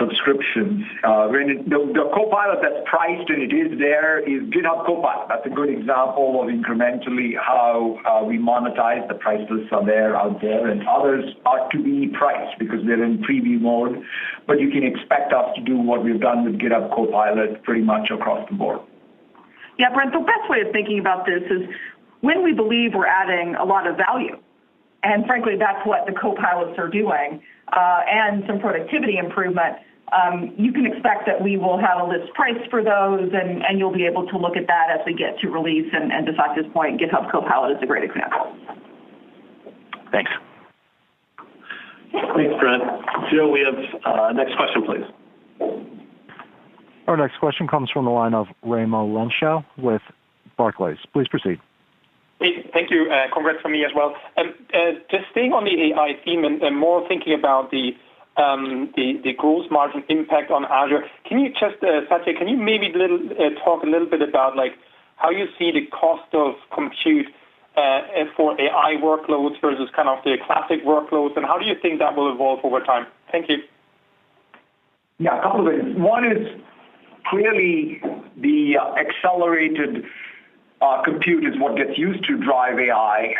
Speaker 3: subscriptions. The Copilot that's priced, and it is there, is GitHub Copilot. That's a good example of incrementally how we monetize. The price lists are there, out there, and others are to be priced because they're in preview mode. You can expect us to do what we've done with GitHub Copilot pretty much across the board.
Speaker 4: Yeah, Brent, the best way of thinking about this is when we believe we're adding a lot of value, and frankly, that's what the Copilots are doing, and some productivity improvement, you can expect that we will have a list price for those, and you'll be able to look at that as we get to release. To Satya's point, GitHub Copilot is a great example.
Speaker 7: Thanks.
Speaker 2: Thanks, Brent. Joe, we have next question, please.
Speaker 1: Our next question comes from the line of Raimo Lenschow with Barclays. Please proceed.
Speaker 8: Hey, thank you. Congrats from me as well. just staying on the AI theme and more thinking about the gross margin impact on Azure, can you just, Satya, can you maybe talk a little bit about, like, how you see the cost of compute, and for AI workloads versus kind of the classic workloads, and how do you think that will evolve over time? Thank you.
Speaker 3: A couple of ways. One is clearly the accelerated compute is what gets used to drive AI.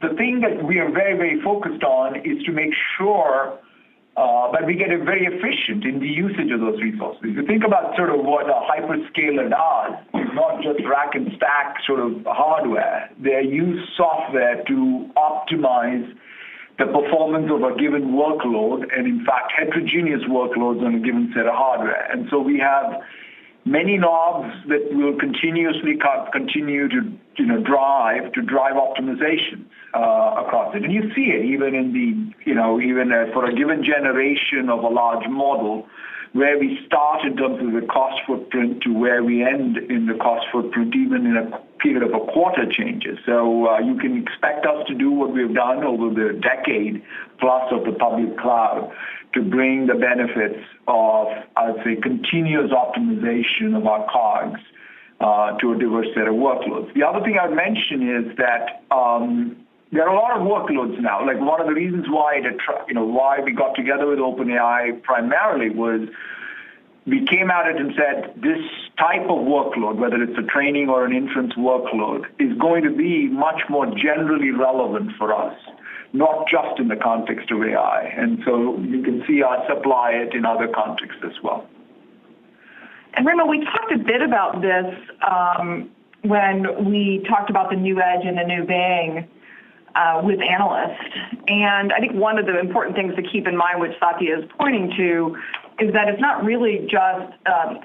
Speaker 3: The thing that we are very, very focused on is to make sure that we get it very efficient in the usage of those resources. If you think about sort of what a hyperscaler does, it's not just rack and stack sort of hardware. They use software to optimize the performance of a given workload and, in fact, heterogeneous workloads on a given set of hardware. We have many knobs that we'll continuously cut, continue to, you know, drive to drive optimization across it. You see it even in the, you know, even, for a given generation of a large model, where we start in terms of the cost footprint to where we end in the cost footprint, even in a period of a quarter changes. You can expect us to do what we've done over the decade-plus of the public cloud to bring the benefits of, I would say, continuous optimization of our COGS, to a diverse set of workloads. The other thing I'd mention is that, there are a lot of workloads now. Like, one of the reasons why, you know, why we got together with OpenAI primarily was we came at it and said, this type of workload, whether it's a training or an inference workload, is going to be much more generally relevant for us, not just in the context of AI. You can see us apply it in other contexts as well.
Speaker 4: Raimo, we talked a bit about this, when we talked about the new Edge and the new Bing, with analysts. I think one of the important things to keep in mind, which Satya is pointing to, is that it's not really just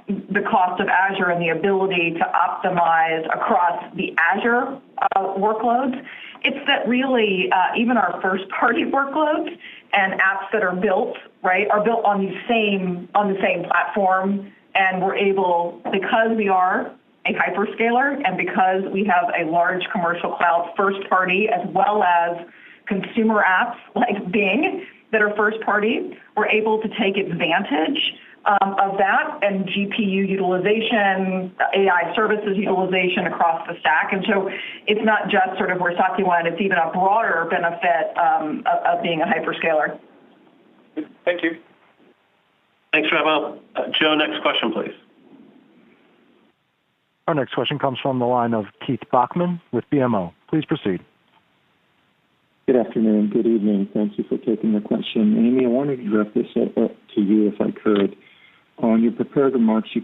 Speaker 4: the cost of Azure and the ability to optimize across the Azure workloads. It's that really, even our first party workloads and apps that are built, right, are built on the same, on the same platform, and we're able, because we are a hyperscaler and because we have a large commercial cloud first party, as well as consumer apps like Bing that are first party, we're able to take advantage of that and GPU utilization, AI services utilization across the stack. It's not just sort of where Satya went, it's even a broader benefit, of being a hyperscaler.
Speaker 3: Thank you.
Speaker 2: Thanks, Raimo. Joe, next question, please.
Speaker 1: Our next question comes from the line of Keith Bachman with BMO. Please proceed.
Speaker 9: Good afternoon. Good evening. Thank you for taking the question. Amy, I wanted to direct this at to you, if I could. On your prepared remarks, you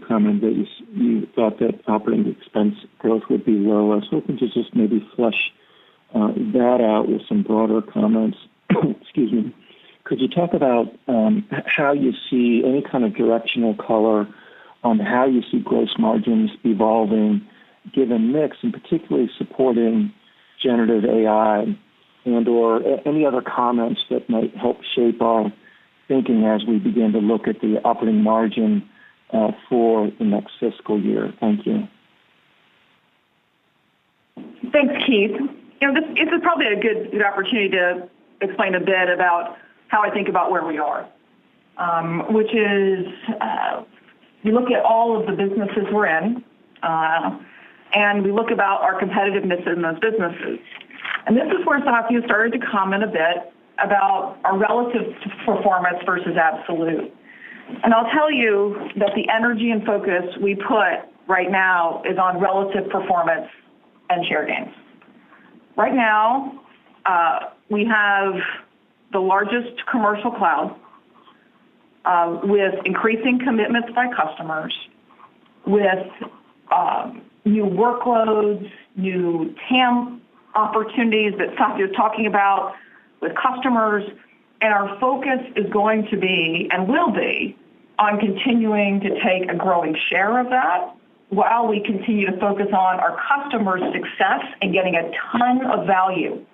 Speaker 9: thought that operating expense growth would be lower. I was hoping to just maybe flesh that out with some broader comments. Excuse me. Could you talk about how you see any kind of directional color on how you see gross margins evolving given mix, and particularly supporting generative AI and or any other comments that might help shape our thinking as we begin to look at the operating margin for the next fiscal year? Thank you.
Speaker 4: Thanks, Keith. You know, this is probably a good opportunity to explain a bit about how I think about where we are. Which is, we look at all of the businesses we're in, and we look about our competitiveness in those businesses. This is where Satya started to comment a bit about our relative performance versus absolute. I'll tell you that the energy and focus we put right now is on relative performance and share gains. Right now, we have the largest commercial cloud, with increasing commitments by customers, with new workloads, new TAM opportunities that Satya's talking about with customers. Our focus is going to be and will be on continuing to take a growing share of that while we continue to focus on our customers' success and getting a ton of value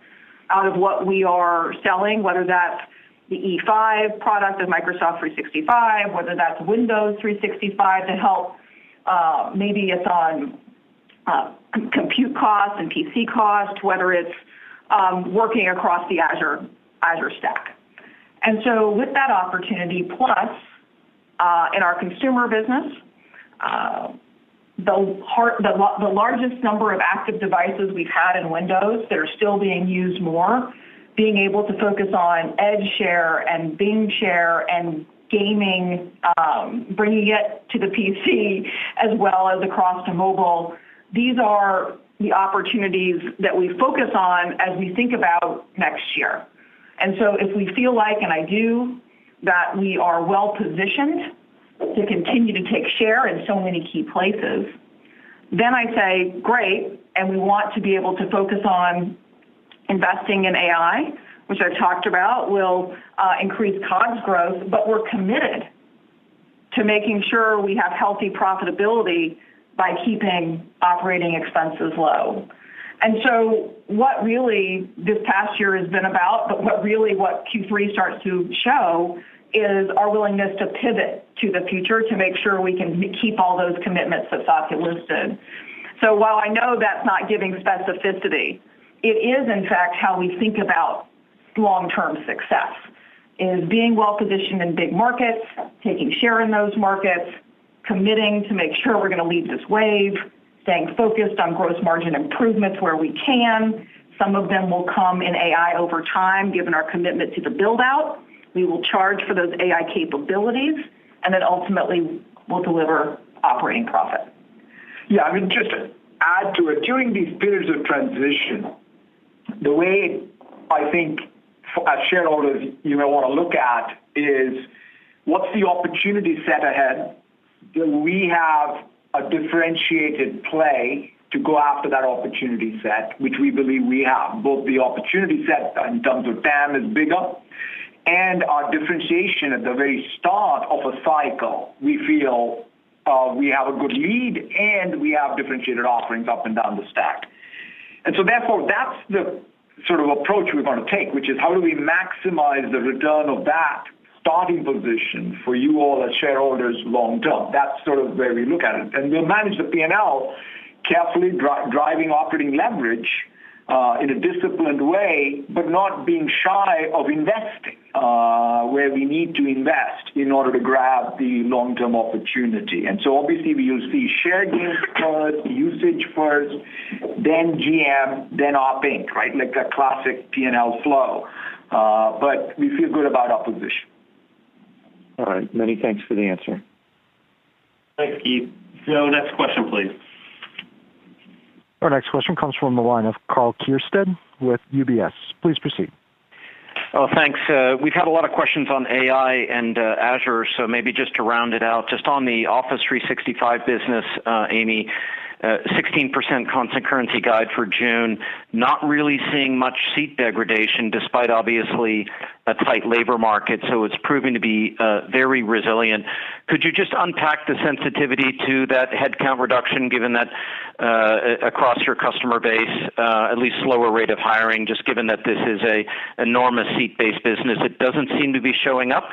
Speaker 4: out of what we are selling, whether that's the E5 product of Microsoft 365, whether that's Windows 365 to help, maybe it's on compute costs and PC cost, whether it's working across the Azure stack. With that opportunity, plus, in our consumer business, the largest number of active devices we've had in Windows that are still being used more, being able to focus on Edge share and Bing share and gaming, bringing it to the PC as well as across to mobile. These are the opportunities that we focus on as we think about next year. If we feel like, and I do, that we are well positioned to continue to take share in so many key places, then I say, great, and we want to be able to focus on investing in AI, which I've talked about will increase COGS growth, but we're committed to making sure we have healthy profitability by keeping operating expenses low. What really this past year has been about, but what really what Q3 starts to show, is our willingness to pivot to the future to make sure we can keep all those commitments that Satya listed. While I know that's not giving specificity, it is in fact how we think about long-term success, is being well-positioned in big markets, taking share in those markets, committing to make sure we're gonna lead this wave, staying focused on gross margin improvements where we can. Some of them will come in AI over time, given our commitment to the build-out. We will charge for those AI capabilities, and then ultimately we'll deliver operating profit.
Speaker 3: Yeah, I mean, just to add to it, during these periods of transition, the way I think as shareholders you may wanna look at is what's the opportunity set ahead? Do we have a differentiated play to go after that opportunity set, which we believe we have. Both the opportunity set in terms of TAM is bigger, and our differentiation at the very start of a cycle, we feel, we have a good lead and we have differentiated offerings up and down the stack. Therefore, that's the sort of approach we wanna take, which is how do we maximize the return of that starting position for you all as shareholders long term. That's sort of where we look at it. We'll manage the P&L carefully driving operating leverage in a disciplined way, but not being shy of investing where we need to invest in order to grab the long-term opportunity. Obviously we will see share gains first, usage first, then GM, then opinc, right? Like a classic P&L flow. We feel good about our position.
Speaker 9: All right. Many thanks for the answer.
Speaker 2: Thanks, Keith. Joe, next question, please.
Speaker 1: Our next question comes from the line of Karl Keirstead with UBS. Please proceed.
Speaker 10: Thanks. We've had a lot of questions on AI and Azure. Maybe just to round it out, just on the Microsoft 365 business, Amy, 16% constant currency guide for June, not really seeing much seat degradation despite obviously a tight labor market. It's proving to be very resilient. Could you just unpack the sensitivity to that headcount reduction given that across your customer base, at least slower rate of hiring, just given that this is a enormous seat-based business? It doesn't seem to be showing up.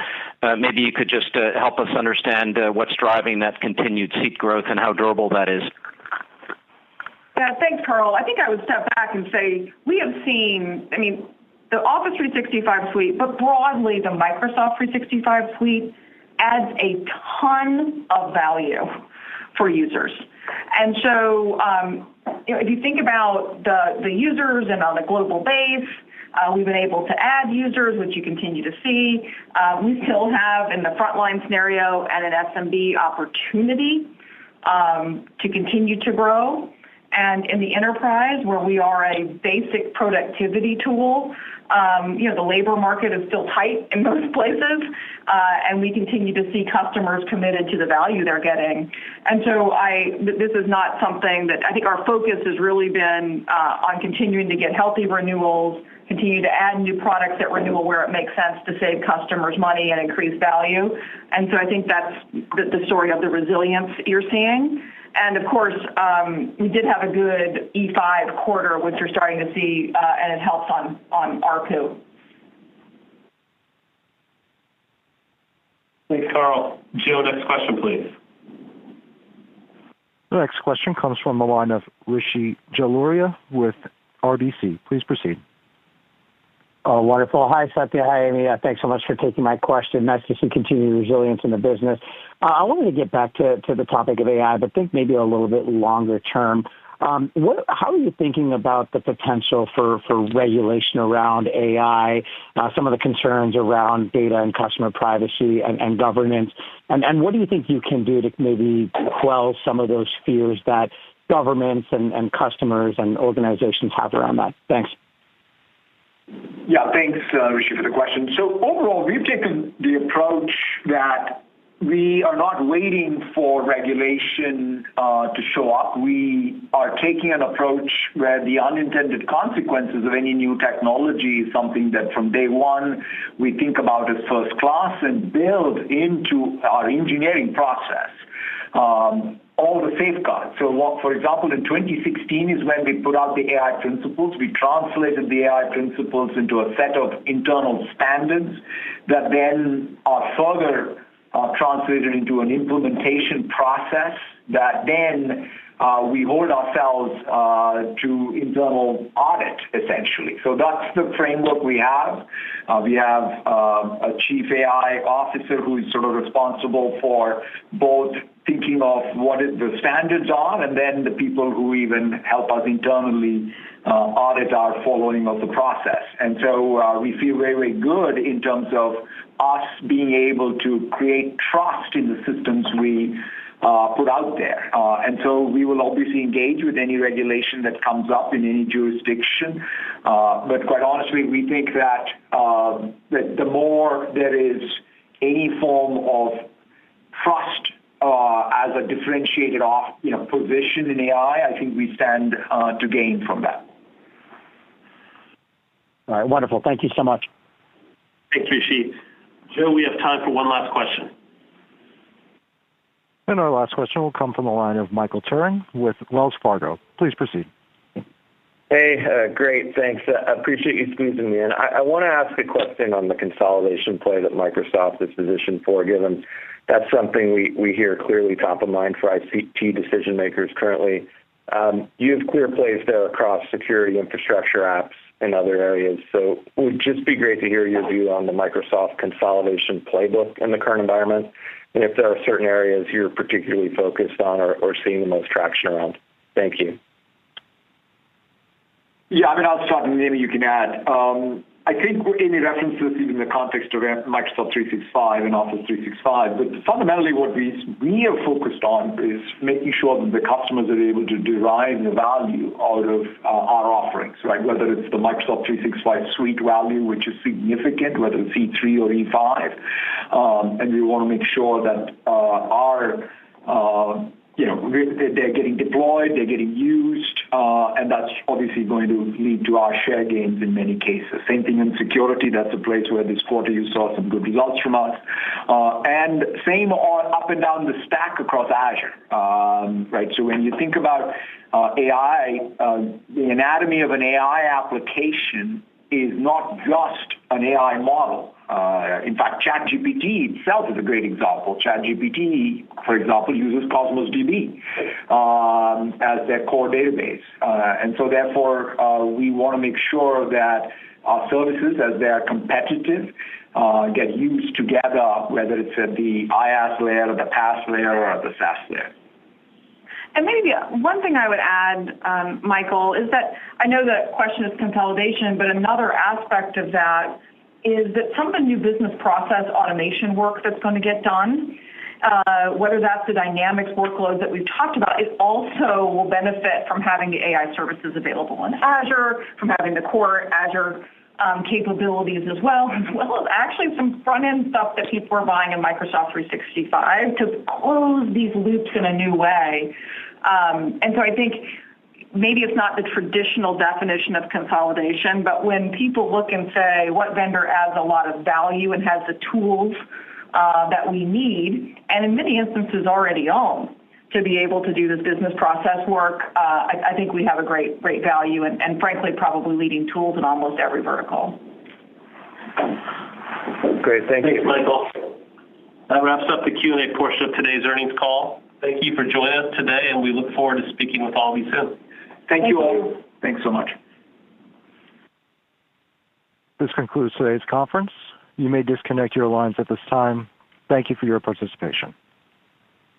Speaker 10: Maybe you could just help us understand what's driving that continued seat growth and how durable that is?
Speaker 4: Thanks, Karl. I think I would step back and say we have seen. I mean, the Office 365 suite, but broadly, the Microsoft 365 suite adds a ton of value for users. You know, if you think about the users and on a global base, we've been able to add users, which you continue to see. We still have in the frontline scenario and an SMB opportunity to continue to grow. In the enterprise, where we are a basic productivity tool, you know, the labor market is still tight in most places, and we continue to see customers committed to the value they're getting. This is not something that. I think our focus has really been, on continuing to get healthy renewals, continue to add new products that renew where it makes sense to save customers money and increase value. I think that's the story of the resilience you're seeing. Of course, we did have a good E5 quarter, which you're starting to see, and it helps on ARPU.
Speaker 2: Thanks, Karl. Joe, next question, please.
Speaker 1: The next question comes from the line of Rishi Jaluria with RBC. Please proceed.
Speaker 11: Wonderful. Hi, Satya. Hi, Amy. Thanks so much for taking my question. Nice to see continued resilience in the business. I wanted to get back to the topic of AI, but think maybe a little bit longer term. How are you thinking about the potential for regulation around AI, some of the concerns around data and customer privacy and governance? What do you think you can do to maybe quell some of those fears that governments and customers and organizations have around that? Thanks.
Speaker 3: Yeah. Thanks, Rishi, for the question. Overall, we've taken the approach that we are not waiting for regulation to show up. We are taking an approach where the unintended consequences of any new technology is something that from day one, we think about as first class and build into our engineering process all the safeguards. What, for example, in 2016 is when we put out the AI principles. We translated the AI principles into a set of internal standards that then are further translated into an implementation process that then we hold ourselves to internal audit, essentially. That's the framework we have. We have a chief AI officer who is sort of responsible for both thinking of what is the standards are and then the people who even help us internally audit our following of the process. We feel very good in terms of us being able to create trust in the systems we put out there. We will obviously engage with any regulation that comes up in any jurisdiction. Quite honestly, we think that the more there is any form of trust, as a differentiated off, you know, position in AI, I think we stand to gain from that.
Speaker 11: All right. Wonderful. Thank you so much.
Speaker 3: Thanks, Rishi.
Speaker 2: Joe, we have time for one last question.
Speaker 1: Our last question will come from the line of Michael Turrin with Wells Fargo. Please proceed.
Speaker 12: Hey. great. Thanks. I wanna ask a question on the consolidation play that Microsoft is positioned for, given that's something we hear clearly top of mind for ICT decision-makers currently. You have clear plays there across security infrastructure apps in other areas. It would just be great to hear your view on the Microsoft consolidation playbook in the current environment, and if there are certain areas you're particularly focused on or seeing the most traction around. Thank you.
Speaker 3: Yeah. I mean, I'll start, and maybe you can add. I think Amy references it in the context around Microsoft 365 and Office 365, fundamentally what we are focused on is making sure that the customers are able to derive the value out of our offerings, right? Whether it's the Microsoft 365 suite value, which is significant, whether it's E3 or E5. We wanna make sure that our, you know, they're getting deployed, they're getting used, and that's obviously going to lead to our share gains in many cases. Same thing in security. That's a place where this quarter you saw some good results from us. Same on up and down the stack across Azure. Right. When you think about AI, the anatomy of an AI application is not just an AI model. In fact, ChatGPT itself is a great example. ChatGPT, for example, uses Cosmos DB as their core database. Therefore, we wanna make sure that our services, as they are competitive, get used together, whether it's at the IaaS layer or the PaaS layer or at the SaaS layer.
Speaker 4: Maybe one thing I would add, Michael, is that I know the question is consolidation, but another aspect of that is that some of the new business process automation work that's gonna get done, whether that's the Dynamics workloads that we've talked about, it also will benefit from having the AI services available on Azure, from having the core Azure capabilities as well, as well as actually some front-end stuff that people are buying in Microsoft 365 to close these loops in a new way. I think maybe it's not the traditional definition of consolidation, but when people look and say, "What vendor adds a lot of value and has the tools that we need," and in many instances already own to be able to do this business process work, I think we have a great value and frankly, probably leading tools in almost every vertical.
Speaker 12: Great. Thank you.
Speaker 3: Thank you, Michael.
Speaker 2: That wraps up the Q&A portion of today's earnings call. Thank you for joining us today, and we look forward to speaking with all of you soon.
Speaker 3: Thank you all.
Speaker 4: Thank you.
Speaker 3: Thanks so much.
Speaker 1: This concludes today's conference. You may disconnect your lines at this time. Thank you for your participation.